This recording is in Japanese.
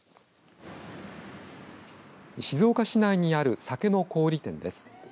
静岡市内にある酒の小売店です。